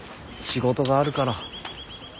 仕事があるから。